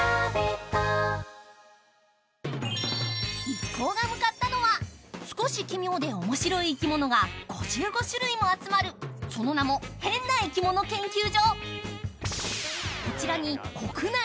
一行が向かったのは、少し奇妙で面白い生き物が５５種類も集まる、その名もへんな生き物研究所。